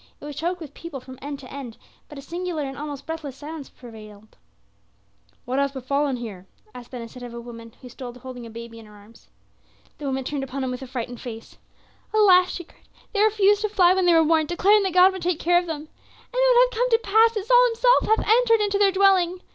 It was choked with people from end to end; but a singular and almost breathless silence prevailed. "What hath befallen here?" asked Ben Hesed of a woman who stood holding a baby in her arms. The woman turned upon him a white frightened face. "Alas," she cried. "They refused to fly when they were warned, declaring that God would take care of them. And now it hath come to pass that Saul himself hath entered into their dwelling.